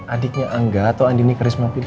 adiknya angga atau andien karisma pindri